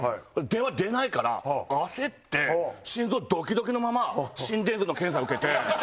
電話に出ないから焦って心臓ドキドキのまま心電図の検査受けて。